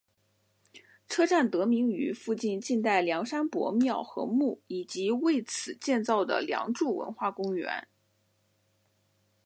车站得名于附近晋代梁山伯庙和墓以及为此建造的梁祝文化公园。